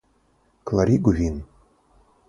Klarigu vin.